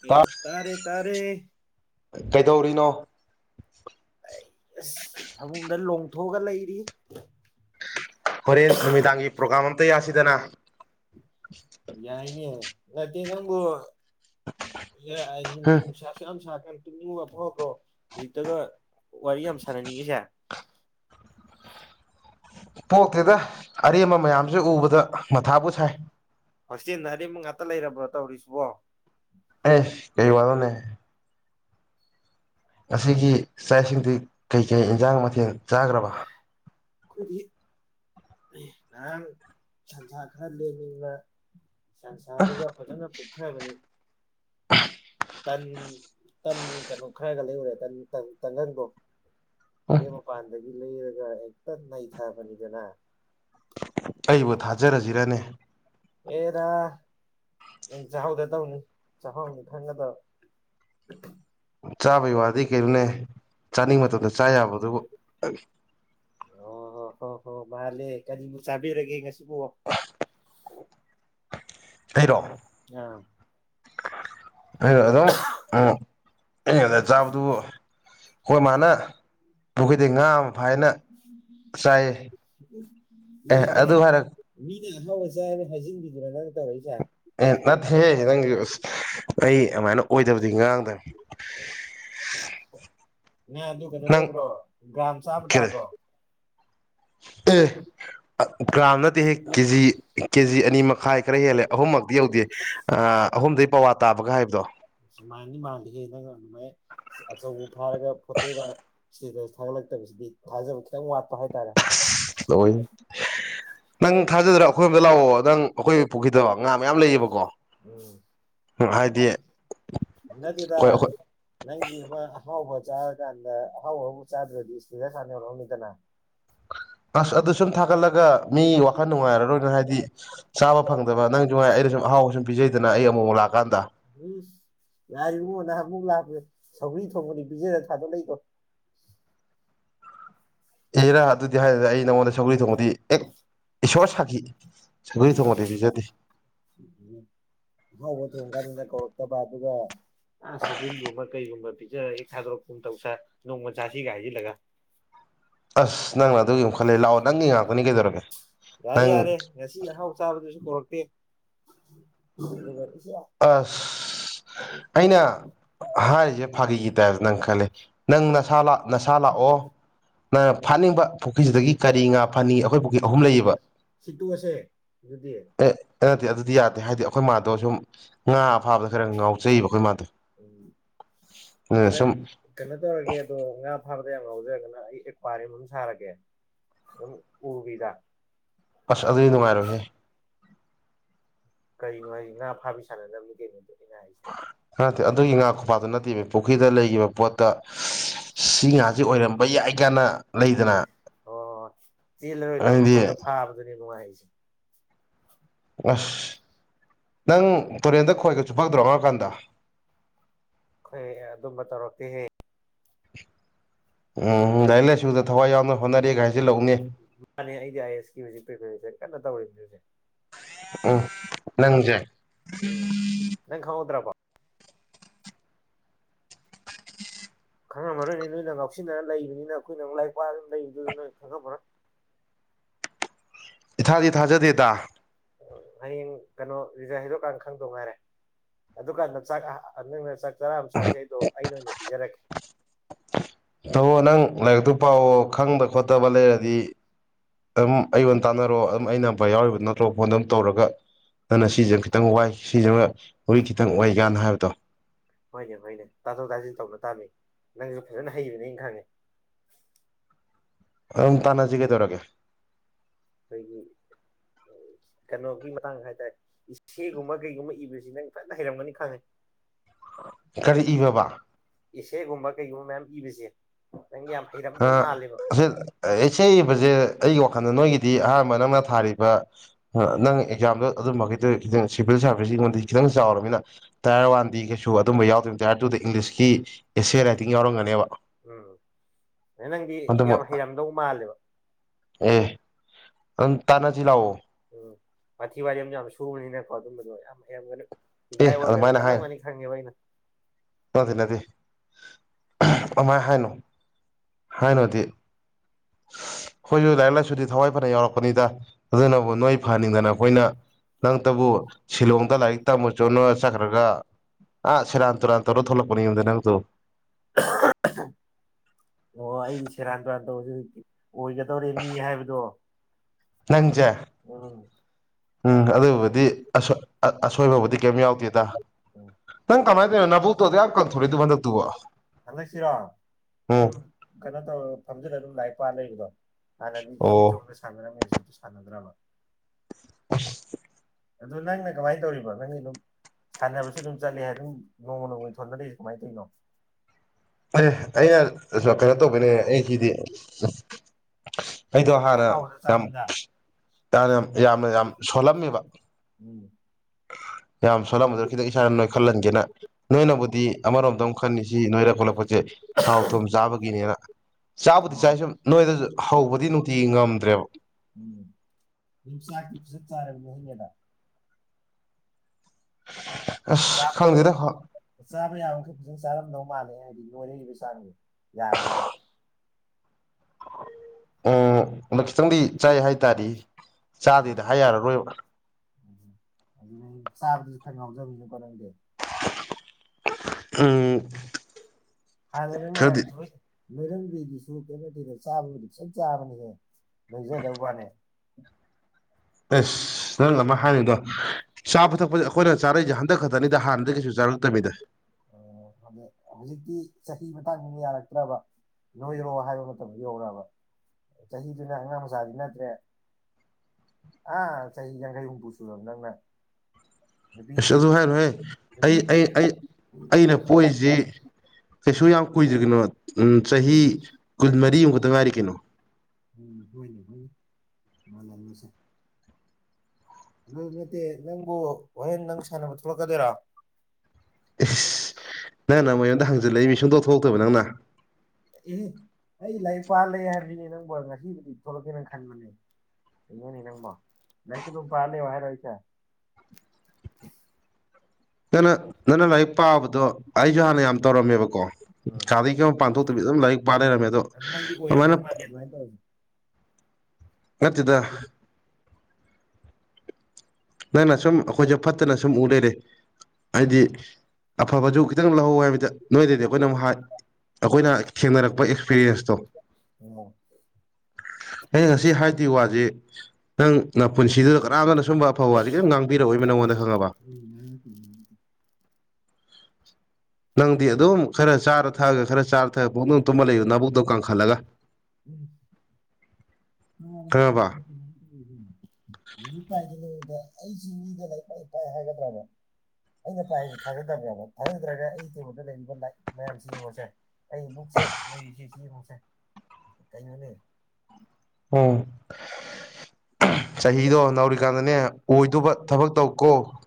ꯀꯩ ꯇꯔꯦ ꯇꯔꯦ꯫ ꯀꯩꯗꯧꯔꯤꯅꯣ ꯑꯩ ꯑꯁ ꯐꯕꯨꯡꯗ ꯂꯣꯡꯊꯣꯛꯑꯒ ꯂꯩꯔꯤ ꯍꯣꯔꯦꯟ ꯅꯨꯃꯤꯗꯥꯡꯒꯤ ꯄ꯭ꯔꯣꯒꯥ꯭ꯔꯥꯝ ꯑꯝꯇ ꯌꯥꯁꯤꯗꯅ ꯌꯥꯏꯅꯦ ꯉꯠꯇ ꯅꯪꯕꯨꯁ ꯎꯝ ꯨ ꯌꯥꯝ ꯁꯥ꯭ꯔꯅ ꯇꯨꯝꯅꯤꯡꯉꯕ ꯐꯥꯎꯔꯛ꯭ꯔꯣ ꯍꯧꯖꯤꯛꯇꯒ ꯋꯥꯔꯤ ꯌꯥꯝ ꯁꯥꯥꯟꯅꯅꯤꯡꯉꯤꯁꯦ ꯄꯣꯛꯇꯦꯗ ꯑꯔꯦꯝꯕ ꯃꯌꯥꯝꯁꯦ ꯎꯕꯗ ꯃꯊꯥꯕꯨ ꯁꯥꯏ ꯍꯣꯁꯇꯦꯜꯅ ꯑꯔꯤꯕꯃ ꯉꯥꯛꯇ ꯂꯩꯔꯕ꯭ꯔꯣ ꯇꯧꯔꯤꯁꯤꯕꯣ ꯑꯦꯁ ꯀꯩ ꯋꯥꯂꯅꯦ꯫ ꯑꯁꯤꯒꯤ ꯆꯥꯛꯁꯤꯡꯗꯤ ꯀꯩꯀꯩ ꯏꯟꯁꯥꯡ ꯃꯊꯦꯜ ꯆꯥꯈ꯭ꯔꯕ꯫ ꯈꯨꯗꯤ꯫ ꯉꯔꯥꯡ ꯁꯟꯁꯥ ꯈꯔ ꯂꯦꯝꯅꯤꯡꯕ ꯁꯟꯁꯥꯗꯨꯒ ꯐꯖꯅ ꯄꯨꯞꯊꯕꯅꯤ ꯇꯟ ꯇꯟ ꯀꯩꯅꯣ ꯈꯔꯒ ꯂꯩ ꯎꯔꯦ ꯇꯟ ꯇꯪꯒꯟꯗꯣ ꯎꯝ ꯏꯦ ꯃꯄꯥꯟꯗꯒꯤ ꯂꯩꯔꯒ ꯍꯦꯛꯇ ꯃꯩ ꯊꯥꯕꯅꯤꯗꯅ ꯑꯩꯕꯨ ꯊꯥꯖꯔꯁꯤꯔꯅꯦ꯫ ꯑꯦꯔ꯫ ꯅꯪ ꯆꯥꯛꯍꯧꯗ ꯇꯧꯅꯤ ꯆꯥꯛꯍꯥꯎꯅꯤ ꯈꯟꯒꯗꯕ꯫ ꯆꯥꯕꯒꯤ ꯋꯥꯗꯤ ꯀꯩꯅꯣꯅꯦ ꯆꯥꯅꯤꯡꯕ ꯃꯇꯝꯗ ꯆꯥ ꯌꯥꯕꯗꯨꯕꯨ꯫ ꯑꯣ ꯍꯣ ꯍꯣ ꯍꯣ ꯃꯥꯜꯂꯦ ꯀꯔꯤꯕꯨ ꯆꯥꯕꯤꯔꯒꯦ ꯉꯁꯤꯕꯨ꯫ ꯀꯩꯔꯣ꯫ ꯑꯥ [unintelligible] [inaudible] ꯑꯩꯅ ꯑꯗꯨꯝ ꯎꯗ ꯆꯥꯕꯗꯨ꯫ ꯑꯩꯈꯣꯏ ꯃꯥꯅ ꯄꯨꯈꯗꯤ ꯉꯥꯝ꯫ ꯑꯦ ꯌꯦ꯫ ꯑꯗꯨ ꯍꯥꯏꯔ ꯃꯤꯅ ꯑꯍꯥꯎꯔꯁꯦꯅ ꯍꯥꯏꯖꯤꯟꯕꯤꯗꯨꯅ ꯅꯪꯅ ꯇꯧꯔꯛꯏꯁꯦ ꯑꯦ ꯅꯠꯇꯦꯍꯦ ꯅꯪꯒꯤ ꯑꯁ ꯑꯩ ꯑꯗꯨꯃꯥꯏꯅ ꯑꯣꯏꯗꯕꯗꯤ ꯉꯥꯡꯗꯅꯤ ꯅ ꯑꯗꯨ ꯀꯩꯅꯣ ꯅꯪ ꯇꯧꯕ꯭ꯔꯣ ꯒ꯭ꯔꯥꯝ ꯆꯥꯃ ꯀꯦꯔꯦ ꯇꯥꯕ꯭ꯔꯣ꯫ ꯑꯦ ꯒ꯭ꯔꯥꯝ ꯅꯠꯇꯦꯍꯦꯛ ꯀꯦꯖꯤ ꯀꯦꯖꯤ ꯑꯅꯤ ꯃꯈꯥꯏ ꯈꯔ ꯍꯦꯜꯂꯦ꯫ ꯑꯍꯨꯝꯃꯛꯇꯤ ꯌꯧꯗꯦ ꯑ ꯑꯍꯨꯝꯗꯩ ꯄꯋꯥ ꯇꯥꯕꯒ ꯍꯥꯏꯕꯗꯣ ꯁꯨꯃꯥꯏꯅꯗꯤ ꯃꯥꯗꯦꯍꯦ ꯅꯪꯅ ꯑꯗꯨꯃꯥꯏꯅ ꯑꯆꯧꯕ ꯐꯥꯔꯒ ꯐꯣꯇꯣꯒ ꯁꯤꯗ ꯊꯥꯒꯠꯂꯛꯇꯕꯁꯤꯗꯤ ꯊꯥꯖꯕ ꯈꯤꯇꯪ ꯋꯥꯠꯄ ꯍꯥꯏꯇꯥꯔꯦ ꯑꯁ ꯂꯣꯏ ꯅꯪ ꯊꯥꯖꯗꯔꯣ ꯑꯩꯈꯣꯏ ꯌꯨꯝꯗ ꯂꯥꯛꯑꯣꯕ ꯅꯪ ꯑꯩꯈꯣꯏ ꯄꯨꯈꯤꯗꯣ ꯉꯥ ꯃꯌꯥꯝ ꯂꯩꯌꯦꯕꯀꯣ ꯎꯝ ꯎꯪ ꯍꯥꯏꯗꯤ ꯑꯩꯈꯣꯏ ꯅꯠꯇꯦꯗ ꯑꯩꯈꯣꯏ ꯅꯪꯒꯤ ꯑꯃ ꯑꯍꯥꯎꯕ ꯆꯥꯔꯀꯥꯟꯗ ꯑꯍꯥꯎꯕꯥ ꯑꯃꯃꯨꯛ ꯆꯥꯗ꯭ꯔꯗꯤ ꯏꯁꯇꯨꯗ ꯁꯥꯟꯅꯧꯔꯥꯎꯅꯤꯗꯅ ꯑꯁ ꯑꯗꯨ ꯁꯨꯝ ꯊꯥꯒꯠꯂꯒ ꯃꯤ ꯋꯥꯈꯜ ꯅꯨꯡꯉꯥꯏꯔꯔꯣꯏꯅ ꯍꯥꯏꯗꯤ ꯆꯥꯕ ꯐꯪꯗꯕ ꯅꯪꯖꯨꯉꯥꯏ ꯑꯩꯅ ꯁꯨꯝ ꯑꯍꯥꯎꯕ ꯁꯨꯝ ꯄꯤꯖꯩꯗꯅ ꯑꯩ ꯑꯃꯨꯛ ꯑꯃꯨꯛ ꯂꯥꯛꯀꯥꯟꯗ ꯎꯏꯁ ꯌꯥꯔꯦ ꯏꯕꯨꯡꯉꯣ ꯅꯍꯥꯟ ꯑꯃꯨꯛ ꯂꯥꯛꯄꯗ ꯁꯧꯒ꯭ꯔꯤ ꯊꯣꯡꯕꯅꯤ ꯄꯤꯖꯔ ꯊꯥꯗꯣꯛꯂꯛꯏꯗꯣ ꯑꯦꯔꯥ ꯑꯗꯨꯗꯤ ꯍꯥꯏꯅꯨꯗ ꯑꯩ ꯅꯉꯣꯟꯗ ꯁꯧꯒꯔꯤ ꯊꯣꯡꯕꯗꯤ ꯑꯦꯛ ꯏꯁꯣꯔ ꯁꯥꯈꯤ ꯁꯧꯒꯔꯤ ꯊꯣꯡꯕꯗꯤ ꯑꯩ ꯕꯤꯖꯗꯦ ꯎ ꯑꯍꯥꯎꯕ ꯊꯣꯡꯒꯥꯟꯗꯅ ꯀꯧꯔꯛꯇꯕ ꯑꯗꯨꯒ ꯑ ꯁꯧꯒꯔꯤꯒꯨꯝꯕ ꯀꯩꯒꯨꯝꯕ ꯄꯤꯖꯔ ꯍꯦꯛ ꯊꯥꯗꯣꯔꯛꯄꯨꯝ ꯇꯧꯁꯥꯏ ꯅꯣꯡꯃꯆꯥꯥꯁꯤꯒ ꯍꯥꯏꯖꯤꯜꯂꯒ ꯑꯁ ꯅꯪꯅ ꯑꯗꯨꯒꯤ ꯃꯨꯛ ꯈꯜꯂꯦ ꯂꯥꯛꯑꯣ ꯅꯪꯒꯤ ꯉꯥꯛꯇꯅꯤ ꯀꯩꯗꯧꯔꯒꯦ ꯌꯥꯔꯦ ꯅꯪ ꯌꯥꯔꯦ ꯉꯁꯤ ꯑꯍꯥꯎ ꯆꯥꯕꯗꯁꯨ ꯀꯧꯔꯛꯇꯦ ꯑꯗꯨꯒ‌ ꯏꯁ꯭ꯌꯥ ꯑꯁ ꯑꯩꯅ ꯍꯥꯏꯔꯤꯖꯦ ꯐꯥꯒꯤꯒꯤ ꯇꯥꯏꯕ ꯅꯪ ꯈꯜꯂꯦ ꯅꯪ ꯅꯁꯥ ꯂꯥꯛ ꯅꯁꯥ ꯂꯥꯛꯑꯣ ꯅꯪꯅ ꯐꯥꯠꯅꯤꯡꯕ ꯄꯨꯈ꯭ꯔꯤꯁꯤꯗꯒꯤ ꯀꯔꯤ ꯉꯥ ꯐꯥꯅꯤꯡꯉꯤ ꯑꯩꯈꯣꯏ ꯄꯨꯈ꯭ꯔꯤ ꯑꯍꯨꯝ ꯂꯩꯌꯦꯕ ꯁꯤꯇꯨ ꯑꯁꯦ ꯑꯗꯨꯗꯤ ꯑꯦ ꯅꯠꯇꯦ ꯑꯗꯨꯗꯤ ꯌꯥꯗꯦ ꯍꯥꯏꯗꯤ ꯑꯩꯈꯣꯏ ꯃꯥꯗꯣ ꯁꯨꯝ ꯉꯥ ꯐꯥꯕꯗ ꯈꯔ ꯉꯥꯎꯖꯩꯑꯦꯕ ꯑꯩꯈꯣꯏ ꯃꯥꯗꯣ ꯎꯝ ꯑꯗꯨꯅ ꯍꯣꯏ ꯁꯨꯝ ꯀꯩꯅꯣ ꯇꯧꯔꯒꯦ ꯑꯗꯣ ꯉꯥ ꯐꯥꯕꯗ ꯌꯥꯝ ꯉꯥꯎꯖꯔꯒꯅ ꯑꯩ ꯑꯦꯛꯋꯥꯔꯤꯝ ꯑꯃ ꯁꯥꯔꯒꯦ ꯑꯗꯨꯝ ꯎꯕꯤꯗ ꯑꯁ ꯑꯗꯨꯗꯤ ꯅꯨꯡꯉꯥꯏꯔꯣꯏꯍꯦ ꯀꯩꯅꯣ ꯍꯩ ꯉꯥ ꯐꯥꯕꯤ ꯁꯥꯟꯅꯖꯕꯅꯤ ꯀꯩꯅꯣꯗꯣ ꯅꯪ ꯍꯥꯏꯁꯦ ꯀꯩꯅꯣ ꯉꯠꯇꯦ ꯑꯗꯨꯒꯤ ꯉꯥ ꯈꯨꯄꯥꯗꯨ ꯅꯠꯇꯦ ꯃꯤ ꯄꯨꯈ꯭ꯔꯤꯗ ꯂꯩꯒꯤꯕ ꯄꯣꯠꯇ ꯁꯤ ꯉꯥꯖꯤ ꯑꯣꯏꯔꯝ ꯕ ꯌꯥꯏꯀꯥꯟꯅ ꯑꯣ ꯆꯦꯜꯂꯔꯣꯏꯗꯕ ꯍꯥꯏꯗꯤ ꯃꯐꯝꯗ ꯐꯥꯕꯗꯨꯅꯤ ꯅꯨꯡꯉꯥꯏꯔꯤꯁꯦ ꯑꯁ ꯅꯪ ꯇꯨꯔꯦꯟꯗ ꯈꯣꯏꯒ ꯆꯨꯄꯛꯇ꯭ꯔꯣ ꯑꯉꯥꯡꯑꯣꯀꯥꯟꯗ ꯈꯣꯏ ꯑꯗꯨꯝꯕ ꯇꯧꯔꯛꯇꯦꯍꯦ ꯎꯝ ꯂꯥꯏꯔꯤꯛ ꯂꯥꯏꯁꯨꯗ ꯊꯋꯥꯏ ꯌꯥꯎꯅ ꯍꯣꯠꯅꯔꯦꯒ ꯍꯥꯏꯖꯤꯜꯂꯛ ꯎꯅꯦ ꯃꯥꯅꯦ ꯑꯩꯗꯤ ꯑꯥꯏ ꯑꯦꯁꯀꯤ ꯍꯧꯖꯤꯛ ꯄ꯭ꯔꯤꯄꯦꯔꯦꯁꯟ ꯀꯟꯅ ꯇꯧꯔꯤꯕꯅꯦ ꯍꯧꯖꯤꯛ ꯎꯝ ꯅꯪꯖꯦ ꯎꯝ ꯅꯪ ꯈꯪꯉꯧꯗ꯭ꯔꯥꯕꯣ ꯈꯪꯉꯝꯃꯔꯣꯏꯅꯤ ꯅꯣꯏꯅ ꯉꯥꯎꯁꯤꯟꯅꯔ ꯂꯩꯕꯅꯤꯅ ꯑꯩꯈꯣꯏꯅ ꯑꯃꯨꯛ ꯂꯥꯏꯔꯤꯛ ꯄ ꯑꯗꯨꯝ ꯂꯩꯕꯗꯨ ꯅꯣꯏ ꯈꯪꯉꯝꯃꯔꯣꯏ ꯏꯊꯥꯗꯤ ꯊꯥꯖꯗꯦꯗ ꯍꯌꯦꯡ ꯀꯩꯅꯣ ꯔꯤꯖꯔ ꯍꯥꯏꯗꯣꯛꯀꯥꯟ ꯈꯪꯗꯧ ꯉꯥꯏꯔꯦ ꯑꯗꯨꯀꯥꯟꯗ ꯆꯥꯛ ꯑ ꯑ ꯅꯪꯅ ꯆꯥꯛ ꯆꯔꯥ ꯑꯃ ꯁꯥꯥꯁꯦ ꯑꯩꯗꯣ ꯑꯩꯅ ꯑꯣꯏꯅ ꯄꯤꯖꯔꯒꯦ ꯊꯥꯃꯣ ꯅꯪ ꯂꯥꯏꯔꯤꯛꯇꯨ ꯄꯥꯎ ꯈꯪꯗ ꯈꯣꯠꯇꯕ ꯂꯩꯔꯗꯤ ꯑꯗꯨꯝ ꯑꯩꯉꯣꯟ ꯇꯥꯟꯅꯔꯣ ꯑꯗꯨꯝ ꯑꯩ ꯅꯝꯕꯔ ꯌꯥꯎꯔꯤꯕ ꯅꯠꯇ꯭ꯔꯣ ꯐꯣꯟꯗ ꯑꯗꯨꯝ ꯇꯧꯔꯒ ꯅꯪꯅ ꯁꯤꯖꯦ ꯈꯤꯇꯪ ꯋꯥꯏ ꯁꯤꯖꯦ ꯃ ꯃꯣꯏ ꯈꯤꯇꯪ ꯑꯣꯏ ꯀꯥꯟ ꯍꯥꯏꯕꯗꯣ ꯍꯣꯏꯅꯦ ꯍꯣꯏꯅꯦ ꯇꯥꯊꯣꯛ ꯇꯥꯁꯤꯟ ꯇꯧꯅ ꯇꯥꯝꯃꯤ ꯅꯪꯖꯨ ꯐꯖꯅ ꯍꯩꯕꯅꯦ ꯑꯩꯟ ꯈꯪꯉꯦ ꯑꯗꯨꯝ ꯇꯥꯟꯅꯖꯤ ꯀꯩꯗꯧꯔꯒꯦ ꯑꯩꯈꯣꯏꯒꯤ ꯀꯩꯅꯣꯒꯤ ꯃꯇꯥꯡꯗ ꯍꯥꯏꯇꯥꯔꯦ ꯏꯦꯒꯨꯝꯕ ꯀꯩꯒꯨꯝꯕ ꯏꯕꯖꯤ ꯅꯪ ꯐꯖꯅ ꯍꯩꯔꯝꯒꯅꯤ ꯈꯪꯉꯦ ꯀꯔꯤ ꯏꯕꯕꯥ ꯑꯦꯁꯦꯒꯨꯝꯕ ꯀꯩꯒꯨꯝꯕ ꯃꯌꯥꯝ ꯏꯕꯁꯦ ꯅꯪꯗꯤ ꯌꯥꯝ ꯍꯩꯔꯝꯗꯧ ꯃꯥꯜꯂꯦꯕ ꯑꯦꯁꯦ ꯏꯕꯁꯦ ꯑꯩꯒꯤ ꯋꯥꯈꯜꯗ ꯅꯣꯏꯒꯤꯗꯤ ꯑꯍꯥꯟꯕ ꯅꯪꯅ ꯊꯥꯔꯤꯕ ꯅꯪ ꯑꯦꯛꯖꯥꯝꯗꯣ ꯑꯗꯨꯝꯕ ꯃꯈꯩꯗꯨ ꯈꯤꯇꯪ ꯁꯤꯚꯤꯜ ꯁꯥꯔꯚꯤꯁꯁꯀꯤ ꯑꯩꯉꯣꯟꯗꯗꯤ ꯈꯤꯇꯪ ꯆꯥꯎꯔꯕꯃꯤꯅ ꯇꯥꯏꯌꯔ ꯋꯥꯟꯗꯤ ꯀꯩꯁꯨ ꯑꯗꯨꯝꯕ ꯌꯥꯎꯗꯣꯏ ꯇꯥꯏꯌꯔ ꯇꯨꯗ ꯏꯪꯂꯤꯁꯀꯤ ꯑꯦꯁ ꯔꯥꯏꯇꯤꯡ ꯌꯥꯎꯔꯝꯒꯅꯦꯕ ꯎꯝ ꯑ ꯅꯪꯗꯤ ꯌꯥꯝ ꯑꯗꯨꯃꯛ ꯍꯩꯔꯝꯗꯧ ꯃꯥꯜꯂꯦꯕ ꯑꯦ ꯑꯗꯨꯝ ꯇꯥꯟꯅꯁꯤ ꯂꯥꯛꯑꯣ ꯎꯝ ꯃꯊꯤ ꯋꯥꯔꯤ ꯑ ꯌꯥꯝ ꯁꯨꯕꯅꯤꯅꯀꯣ ꯑꯗꯨꯝꯕꯗꯣ ꯌꯥꯝ ꯑꯒ ꯑꯦ ꯏꯒꯥꯏ ꯋꯥꯒꯁꯦ ꯑꯗꯨꯃꯥꯏꯅ ꯍꯥꯏꯅꯣ ꯀꯜꯂꯝꯒꯅꯤ ꯊꯪꯉꯦꯕꯩꯅ ꯅꯠꯇꯦ ꯅꯠꯇꯦ ꯑꯗꯨꯃꯥꯏꯅ ꯍꯥꯏꯅꯣ ꯍꯥꯏꯅꯣꯗꯤ ꯑꯩꯈꯣꯏꯁꯨ ꯂꯥꯏꯔꯤꯛ ꯂꯥꯏꯁꯨꯗꯤ ꯊꯋꯥꯏ ꯐꯅ ꯌꯥꯎꯔꯛꯄꯅꯤꯗ ꯑꯗꯨꯅꯕꯨ ꯅꯣꯏ ꯐꯍꯟꯅꯤꯡꯗꯅ ꯑꯩꯈꯣꯏꯅ ꯅꯪꯇꯕꯨ ꯁꯤꯂꯣꯡꯗ ꯂꯥꯏꯔꯤꯛ ꯇꯝꯃ ꯆꯣꯠꯅ ꯆꯠꯈ꯭ꯔꯒ ꯑ ꯁꯦꯔꯥꯟ ꯇꯨꯔꯥꯟ ꯇꯧꯔꯣ ꯊꯣꯛꯂꯛꯄꯅꯤꯉꯝꯗ ꯅꯪꯗꯣ ꯑꯣ ꯑꯩ ꯁꯦꯔꯥꯟ ꯇꯥꯟ ꯇ ꯍꯧꯁꯨ ꯑꯣꯏꯒꯗꯧꯔꯦ ꯃꯤ ꯍꯥꯏꯕꯗꯣ ꯅꯪꯖꯦ ꯎꯝ ꯎꯝ ꯑꯗꯨꯕꯨꯗꯤ ꯑ ꯑꯁꯣꯏꯕꯕꯨꯗꯤ ꯀꯩꯝ ꯌꯥꯎꯗꯦꯗ ꯎꯝ ꯅꯪ ꯀꯃꯥꯏꯅ ꯇꯧꯅꯣ ꯅꯕꯨ ꯇꯣꯗꯤ ꯀ ꯊꯣꯔꯗꯨ ꯍꯟꯗꯛꯇꯨꯕ ꯍꯪꯉꯛꯁꯤꯔꯣ ꯁꯨꯝ ꯀꯩꯅꯣ ꯇꯧꯔ ꯐꯝꯖꯤꯜꯂꯒ ꯑꯗꯨꯝ ꯂꯥꯏꯔꯤꯛ ꯄꯥ ꯂꯩꯕꯗꯣ ꯍꯥꯟꯗꯤ ꯆꯦꯟ ꯑꯣ ꯁꯣꯁꯨ ꯁꯥꯟꯅ꯭ꯔꯥ ꯃꯌꯨꯖꯤꯛꯇꯁꯨ ꯁꯥꯟꯅꯗ꯭ꯔꯕ [unintelligible] ꯑꯗꯣ ꯅꯪꯅ ꯀꯃꯥꯏꯅ ꯇꯧꯔꯤꯕ ꯅꯪꯗꯤ ꯑꯗꯨꯝ ꯁꯥꯟꯅꯕꯁꯨ ꯑꯗꯨꯝ ꯆꯠꯂꯦ ꯑꯗꯨꯝ ꯅꯣꯡꯃ ꯅꯣꯡꯃꯩ ꯊꯣꯟꯒꯠꯂꯛꯏꯖꯦ ꯀꯃꯥꯏ ꯇꯩꯅꯣ ꯍꯣꯏ ꯍꯦ ꯑꯩꯅ ꯑꯖ ꯀꯩꯅꯣ ꯇꯧꯕꯩꯅꯦ ꯑꯩ ꯁꯤꯗꯤ ꯑꯩꯗꯣ ꯍꯥꯟꯅ ꯑꯍꯥꯎꯕꯗ ꯌꯥꯝ ꯆꯥꯃꯟꯗ ꯇꯥꯟ ꯌꯥꯝ ꯌꯥꯝꯅ ꯌꯥꯝ ꯁꯣꯜꯂꯝꯃꯦꯕ ꯎꯝ ꯌꯥꯝ ꯁꯣꯜꯂꯝꯃꯗ ꯈꯤꯇꯪ ꯏꯁꯥꯅ ꯅꯣꯏ ꯈꯜꯍꯟꯒꯦꯅ ꯅꯣꯏꯅꯕꯨꯗꯤ ꯑꯃꯔꯣꯝꯗ ꯑꯃꯨꯛ ꯈꯟꯜꯂꯤꯁꯤ ꯍꯣꯏꯖꯦ ꯊꯥꯎ ꯊꯨꯝ ꯆꯥꯕꯒꯤꯅꯦꯅ ꯆꯥꯕꯨꯗꯤ ꯑꯣ ꯆꯥꯏ ꯁꯨꯝ ꯅꯣꯏꯗꯖꯨ ꯍꯧꯕꯗꯤ ꯅꯨꯡꯇꯤꯒꯤ ꯉꯝꯗ꯭ꯔꯦꯕ ꯎꯝ ꯗꯨꯝ ꯆꯥꯛꯇꯤ ꯐꯖ ꯆꯥꯔꯦꯕ ꯅꯣꯑꯝꯃꯦꯗ ꯑꯁ ꯆꯥꯕ ꯈꯪꯗꯦꯗ ꯍꯥ ꯆꯥꯕ ꯌꯥꯕꯃꯈꯩ ꯐꯖꯅ ꯆꯥꯔꯝꯗꯧ ꯃꯥꯜꯂꯦ ꯍꯥꯏꯗꯤ ꯅꯣꯏꯔꯛꯏꯕ ꯆꯥꯡꯖꯦ ꯌꯥꯗꯦꯕ ꯎꯝ ꯑꯃ ꯈꯤꯇꯡꯗꯤ ꯆꯥꯏ ꯍꯥꯏꯇꯥꯔꯤ ꯆꯥꯗꯦꯗ ꯎꯝ ꯍꯥꯏ ꯌꯥꯔꯔꯣꯏꯕ ꯎꯝ ꯑꯗꯨꯝ ꯆꯥꯕꯗꯖꯨ ꯈꯔꯥ ꯉꯥꯎꯖꯕꯅꯤꯅꯀꯣ ꯅꯪꯗꯤ ꯎꯝ ꯑꯗꯥꯖꯨ ꯈꯔꯗꯤ ꯃꯌꯥꯝꯖꯦ ꯂꯣꯏ ꯅꯣꯏꯔꯝꯗ꯭ꯔꯤꯗꯨꯁꯨ ꯆꯥꯕꯕꯨ ꯐꯖꯅ ꯆꯥꯕꯅꯤꯍꯦ ꯅꯣꯏꯖꯗ ꯋꯥꯅꯦ ꯑꯦꯁ ꯅꯪ ꯑꯃꯥꯏ ꯍꯥꯏꯅꯨꯗ ꯆꯥꯕꯊꯛꯄꯖꯦ ꯑꯈꯣꯏꯅ ꯆꯥꯔꯛꯏꯁꯦ ꯍꯟꯗꯛ ꯈꯛ ꯇꯟꯅꯤꯗ ꯍꯥꯟꯅꯗꯩꯩ ꯀꯩꯁꯨ ꯆꯥꯔꯛꯇꯃꯤꯗ [unintelligible] ꯍꯧꯖꯤꯛꯇꯤ ꯆꯍꯤ ꯃꯇꯥꯡꯖꯤꯅ ꯌꯥꯔꯛꯇ꯭ꯔꯕ ꯅꯣꯏꯔꯣ ꯍꯥꯏꯕ ꯃꯇꯝꯗ ꯌꯧꯔꯛꯑꯕ ꯆꯍꯤꯗꯨꯅ ꯑꯉꯥꯡ ꯃꯆꯥꯗꯤ ꯅꯠꯇ꯭ꯔꯦ ꯑꯥ ꯆꯍꯤ ꯌꯥꯡꯈꯩ ꯍꯨꯝꯐꯨ ꯁꯨꯔꯕ ꯅꯪꯅ ꯅꯨꯄꯤ ꯑꯁ ꯑꯗꯨ ꯊꯤꯔꯣ ꯍꯥꯏꯅꯨꯍꯦ ꯑꯩ ꯅꯨꯄꯤ ꯑꯩ ꯊꯤꯔꯣ ꯑꯩ ꯑꯩꯅ ꯄꯣꯛꯏꯖꯤ ꯀꯩꯁꯨ ꯌꯥꯝ ꯀꯨꯏꯗ꯭ꯔꯤ ꯀꯩꯅꯣ ꯎꯝ ꯆꯍꯤ ꯀꯨꯟꯃꯔꯤꯃꯨꯛ ꯈꯛꯇ ꯉꯥꯏꯔꯤ ꯀꯩꯅꯣ ꯎꯝ ꯍꯣꯏꯅꯦ ꯍꯣꯏꯅꯦ ꯃꯅꯕꯁꯦ ꯐꯥꯒꯤ ꯅꯠꯇꯦ ꯅꯪꯕꯨ ꯍꯣꯔꯦꯟ ꯅꯪ ꯁꯥꯟꯅꯕ ꯊꯣꯛꯂꯛꯀꯗꯣꯏꯔꯥ ꯏꯁ ꯅꯪꯅ ꯃꯨꯛ ꯑꯩꯉꯣꯟꯗ ꯍꯪꯖꯜꯂꯛꯏ ꯅꯤ ꯁꯨꯡꯊꯣꯛ ꯊꯣꯛꯇꯕ ꯅꯪꯅ ꯑꯦ ꯑꯩ ꯂꯥꯏꯔꯤꯛ ꯄꯥꯔ ꯂꯩ ꯍꯥꯏꯕꯅꯤꯅꯦ ꯅꯪꯕꯣ ꯉꯁꯤꯕꯨꯗꯤ ꯊꯣꯛꯂꯛꯀꯦꯅꯪ ꯈꯟꯕꯅꯦ ꯀꯩꯅꯣꯅꯦ ꯅꯪꯕꯣ ꯂꯥꯏꯔꯤꯛꯇ ꯑꯗꯨꯝ ꯄꯥꯔ ꯂꯦꯌꯣ ꯍꯥꯏꯔꯣ ꯑꯩꯁꯦ [unintelligible] ꯅꯪꯅ ꯅꯪꯅ ꯂꯥꯏꯔꯤꯛ ꯄꯥꯕꯗꯣ ꯑꯩꯖꯨ ꯍꯥꯟꯅ ꯌꯥꯝ ꯇꯧꯔꯝꯃꯦꯕꯀꯣ ꯎꯝ ꯀꯥꯗꯩꯩꯒ ꯃꯄꯥꯟ ꯊꯣꯛꯇꯕꯤ ꯑꯗꯨꯝ ꯂꯥꯏꯔꯤꯛ ꯄꯥ ꯂꯩꯔꯝꯃꯦ ꯑꯗꯣ ꯑꯗꯨ ꯅꯪꯗꯤ ꯑꯗꯨꯃꯥꯏꯅ ꯑꯣꯏꯔꯝꯗꯧ ꯃꯥꯜꯂꯦ ꯑꯗꯨꯃꯥꯏꯅ ꯇꯧꯔꯗꯤ ꯅꯠꯇꯦꯗ ꯫ ꯅꯪꯅ ꯁꯨꯝ ꯑꯩꯈꯣꯏꯖꯦ ꯐꯠꯇꯅ ꯁꯨꯝ ꯎ ꯂꯩꯔꯦ ꯍꯥꯏꯗꯤ ꯑꯐꯕꯖꯨ ꯈꯤꯠ ꯇꯪ ꯂꯧꯍꯧ ꯍꯥꯏꯕꯗ ꯅꯣꯏꯗꯩꯩꯗꯤ ꯑꯩꯈꯣꯏꯅ ꯑꯃꯨꯛ ꯍꯥꯏ ꯑꯈꯣꯏꯅ ꯊꯦꯡꯅꯔꯛꯄ ꯑꯦꯛꯁꯄꯦꯔꯤꯌꯦꯟꯁꯇꯣ ꯑꯣ ꯫ ꯑꯩꯅ ꯉꯁꯤ ꯍꯥꯏꯗꯣꯏ ꯋꯥꯖꯤ ꯅꯪ ꯅꯄꯨꯟꯁꯤꯗꯨꯗ ꯀꯅꯥꯝꯇꯅ ꯁꯨꯝꯕ ꯋꯥꯖꯦ ꯀꯩꯝ ꯉꯥꯡꯕꯤꯔꯛꯑꯣꯏꯕ ꯅꯉꯣꯟꯗ ꯈꯪꯉꯕ ꯫ [unintelligible] ꯅꯪꯗꯤ ꯑꯗꯨꯝ ꯈꯔ ꯆꯥꯔ ꯊꯛꯑꯒ ꯈꯔꯥ ꯆꯥꯔ ꯊꯛꯑ ꯄꯨꯡꯇꯨꯝ ꯇꯨꯝꯃ ꯂꯩꯌꯨ ꯅꯕꯨꯛꯇꯣ ꯀꯪꯈꯠꯂꯒ ꯫ [unintelligible] [unintelligible] ꯄꯥꯏꯖꯤ ꯃꯅꯨꯡꯗ ꯑꯩꯁꯤ ꯃꯤꯗ ꯂꯥꯏꯔꯤꯛ ꯄꯥꯏ ꯄꯥꯏ ꯍꯥꯏꯒꯗ꯭ꯔꯕ ꯫ ꯑꯩꯅ ꯄꯥꯏ ꯑꯖꯦ ꯊꯥꯖꯗꯕ꯭ꯔꯕ ꯊꯥꯖꯗ꯭ꯔꯒ ꯑꯩ ꯀꯩꯅꯣꯗ ꯂꯩꯔꯤꯕ ꯂꯥꯏꯔꯤꯛ ꯃꯌꯥꯝꯁꯤ ꯌꯦꯡꯉꯣꯁꯦ ꯫ ꯑꯩ ꯕꯨꯛꯁꯦ ꯂꯩꯔꯤꯁꯦ ꯁꯤꯌꯦꯡꯉꯣꯁꯦ ꯀꯩꯅꯣꯅꯦ ꯫ ꯎꯝ ꯫ ꯆꯍꯤꯗꯣ ꯅꯧꯔꯤꯀꯥꯟꯗꯅꯦ ꯑꯣꯏꯗꯣꯕ ꯊꯕꯛ ꯇꯧꯀꯣ ꯫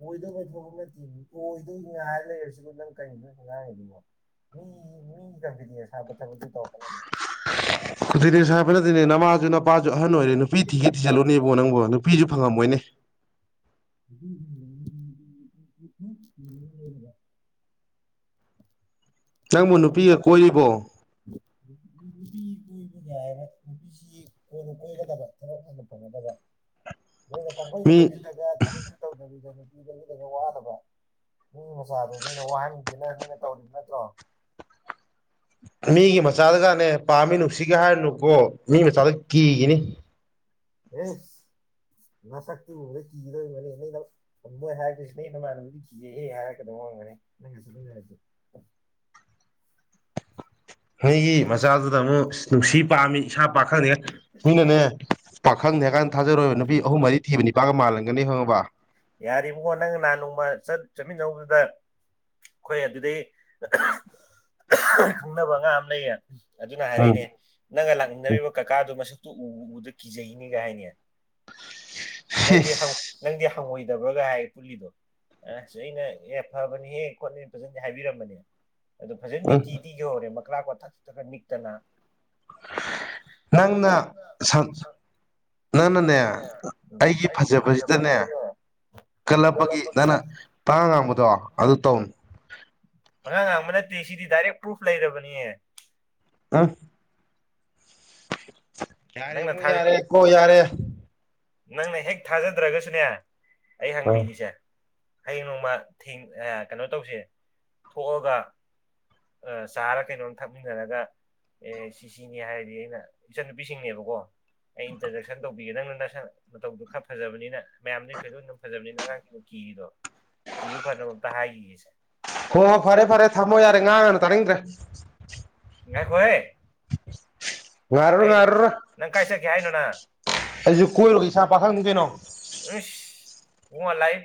ꯑꯣꯏꯗꯧꯕ ꯊꯕꯛ ꯅꯠꯇꯦꯃꯤ ꯑꯣꯏꯗꯣꯏ ꯉꯥꯏ ꯂꯩꯔꯁꯤꯕꯨ ꯅꯪ ꯀꯩꯅꯣ ꯅꯪ ꯉꯥꯡꯉꯤꯗꯨꯕꯨ ꯫ ꯃꯤ ꯃꯤꯒꯤ ꯀꯟꯐꯤꯗꯦꯟꯁ ꯍꯥꯠꯄ ꯊꯕꯛꯇꯨ ꯇꯧꯔꯛꯀꯅꯨ ꯫ [unintelligible] ꯀꯟꯐꯤꯗꯤꯅꯦꯁ ꯍꯥꯠꯄ ꯅꯠꯇꯦꯅꯦ ꯅꯃꯥꯁꯨ ꯅꯨꯄꯥꯁꯨ ꯑꯍꯟ ꯑꯣꯏꯔꯦꯅꯩ ꯅꯨꯄꯤ ꯊꯤꯒꯦ ꯊꯤꯖꯤꯜ ꯂꯣꯅꯦ ꯅꯪꯕꯨ ꯅꯨꯄꯤꯁꯨ ꯐꯪꯉꯝꯃꯣꯏꯅꯦ꯫ [unintelligible] ꯅꯪꯕꯨ [unintelligible] ꯅꯨꯄꯤꯒ ꯀꯣꯏꯔꯤꯕꯣ ꯅꯨꯄꯤ ꯀꯣꯏꯕꯀꯥꯏꯅ ꯅꯨꯄꯤꯁꯤ ꯀꯣꯟꯅ ꯀꯣꯏꯒꯗꯕ ꯊꯕꯛ ꯍꯟꯅ ꯐꯪꯒꯗꯕ [inaudible] ꯅꯣꯏꯅ ꯄꯥꯡꯀꯣꯏꯗ ꯃꯤ ꯀꯣꯏꯖꯤꯜꯂꯒ ꯊꯕꯛꯁꯨ ꯇꯧꯗꯕꯤꯗ ꯅꯨꯄꯤ ꯂꯣꯏꯁꯤꯜꯂꯒ ꯋꯥꯗꯕꯔ꯫ ꯃꯤ ꯃꯆꯥꯗꯣ ꯅꯣꯏꯅ ꯋꯥꯍꯟꯁꯤꯅ ꯅꯣꯏꯅ ꯇꯧꯔꯤꯕ ꯅꯠꯇ꯭ꯔꯣ꯫ ꯃꯤꯒꯤ ꯃꯆꯥꯗꯒꯅꯦ ꯄꯥꯝꯃꯤ ꯅꯨꯡꯁꯤꯒꯦ ꯍꯥꯏꯔꯅꯨꯀꯣ ꯃꯤ ꯃꯆꯥꯗ ꯀꯤꯈꯤꯅꯤ꯫ ꯑꯦꯁ ꯅꯁꯛꯇꯣ ꯎꯕ ꯀꯤꯒꯗꯨꯏ ꯑꯤꯏꯔꯝꯅꯤ ꯅꯣꯏ ꯍꯥꯏꯔꯛꯇꯨꯏꯁꯤ ꯅꯣꯏ ꯅꯃꯥꯟꯅꯗꯤ ꯀꯤꯖꯩꯌꯦ ꯍꯥꯏꯔꯛꯀꯗꯨꯕ ꯑꯣꯏꯔꯝꯒꯅꯤ ꯅꯪꯒ ꯆꯠꯃꯤꯟꯅꯔꯗꯤ꯫ ꯅꯣꯏꯒꯤ ꯃꯆꯥꯗꯨꯗ ꯑꯃꯨꯛ ꯅꯨꯡꯁꯤ ꯄꯥꯝꯃꯤ ꯏꯁꯥ ꯄꯥꯈꯪꯅꯤ ꯅꯣꯏꯅꯅꯦ ꯄꯥꯈꯪꯅꯤ ꯍꯥꯏꯀꯥꯟꯗ ꯊꯥꯖꯔꯣꯏꯕ ꯅꯨꯄꯤ ꯑꯍꯨꯝ ꯃꯔꯤ ꯊꯤꯕ ꯅꯤꯄꯥꯒ ꯃꯥꯜꯍꯟꯒꯅꯤ ꯈꯪꯉꯕ ꯌꯥꯔꯤꯕꯀꯣ ꯅꯪ ꯅꯍꯥꯟ ꯅꯣꯡꯃ ꯆꯠ ꯆꯠꯃꯤꯟꯅꯧꯕꯗꯨꯗ ꯈꯣꯏ ꯑꯗꯨꯗꯩ ꯈꯪꯅꯕ ꯑꯉꯥꯡ ꯑꯃ ꯂꯩꯌꯦ ꯑꯗꯨꯅ ꯎꯝ ꯍꯥꯏꯔꯛꯏꯅꯦ ꯅꯪꯒ ꯎꯝ ꯂꯥꯛꯃꯤꯟꯅꯔꯤꯕ ꯀꯀꯥꯗꯣ ꯃꯁꯛꯇꯨ ꯎ ꯎꯕꯗ ꯀꯤꯖꯩꯅꯤꯒ ꯍꯥꯏꯅꯦ ꯅꯪꯗꯤ ꯏꯁ ꯅꯪꯗꯤ ꯍꯪꯉꯣꯏꯗꯕ꯭ꯔꯥꯒ ꯍꯥꯏ ꯄꯨꯜꯂꯤꯗꯣ ꯑꯁ ꯑꯩꯅ ꯑꯦ ꯐꯕꯅꯤꯍꯦ ꯈꯣꯠꯅꯤ ꯐꯖꯅꯗꯤ ꯍꯥꯏꯕꯤꯔꯝꯕꯅꯦ ꯑꯗꯨ ꯐꯖꯅ ꯎꯝ ꯇꯤꯗꯤ ꯌꯧꯔꯦ ꯃꯈꯀ꯭ꯔꯥ ꯀ ꯊꯛ ꯊꯛ ꯅꯤꯛꯇꯅ ꯅꯪꯅ ꯁꯟ ꯅꯪꯅꯅꯦ ꯁꯛꯇꯅꯅꯦ ꯑꯩꯒꯤ ꯐꯖꯕꯁꯤꯗꯅꯦ ꯀꯜꯂꯞꯄꯒꯤ ꯀꯜꯂꯝꯕꯒꯤ ꯅꯪꯅ ꯄꯪꯉꯥꯡ ꯉꯥꯡꯕꯗꯣ ꯑꯗꯨ ꯇꯧꯅꯨ ꯄꯉꯥꯡ ꯉꯥꯡꯕ ꯅꯠꯇꯦ ꯁꯤꯗꯤ ꯗꯥꯏꯔꯦꯛ ꯄ꯭ꯔꯨꯐ ꯂꯩꯔꯕꯅꯤꯌꯦ ꯑ ꯌꯥꯔꯦ ꯅꯪꯅ ꯏꯕꯨꯡꯉꯣ ꯌꯥꯔꯦ ꯀꯣ ꯌꯥꯔꯦ ꯅꯪꯅ ꯍꯦꯛ ꯊꯥꯖꯗ꯭ꯔꯒꯁꯨꯅꯦ ꯑꯩ ꯎꯝ ꯍꯪꯕꯤꯒꯦꯁꯦ ꯍꯌꯦꯡ ꯅꯣꯡꯃ ꯊꯦꯡ ꯀꯩꯅꯣ ꯇꯧꯁꯦ ꯊꯣꯛꯑꯒ ꯑꯥ ꯆꯥꯔ ꯀꯩꯅꯣꯝ ꯊꯛꯃꯤꯟꯅꯔꯒ ꯑꯦ ꯁꯤ ꯁꯤꯅꯤ ꯍꯥꯏꯔꯗꯤ ꯑꯩꯅ ꯏꯆꯟꯅꯨꯄꯤꯁꯤꯡꯅꯦꯕꯀꯣ ꯑꯩ ꯏꯟꯇꯔꯗꯦꯛꯁꯟ ꯇꯧꯕꯤꯒꯦ ꯅꯪꯅ ꯅꯁꯥ ꯃꯇꯧꯗꯣ ꯈꯔ ꯐꯖꯕꯅꯤꯅ ꯃꯌꯥꯝꯗꯤ ꯊꯣꯏꯗꯣꯛꯅ ꯐꯖꯕꯅꯤꯅ ꯑꯉꯥꯡꯁꯤꯡꯅ ꯀꯤꯔꯤꯗꯣ ꯀꯤꯌ ꯐꯗꯕꯅꯕꯝꯇ ꯍꯥꯏꯈꯤꯒꯁꯦ ꯍꯣ ꯍꯣ ꯐꯔꯦ ꯐꯔꯦ ꯊꯝꯃꯣ ꯌꯥꯔꯦ ꯉꯥꯡ ꯉꯅꯨ ꯇꯥꯅꯤꯡꯗ꯭ꯔꯦ ꯉꯥꯏ ꯈꯣꯏꯍꯦ ꯉꯔꯔ ꯉꯥꯔꯔ ꯅꯪ ꯀꯥꯏ ꯆꯠꯀꯦ ꯍꯥꯏꯅꯣ ꯅꯪ ꯑꯩꯁꯨ ꯀꯣꯏꯔꯒ ꯏꯁꯥ ꯄꯥꯈꯪ ꯀꯩꯅꯣ ꯏꯁ ꯍꯨꯉ ꯂꯥꯏꯐ